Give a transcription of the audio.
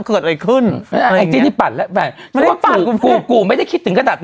เกิดอะไรขึ้นอะไรอย่างเงี้ยไม่ได้ปัดแล้วไม่ได้ปัดกูไม่ได้คิดถึงขนาดนั้น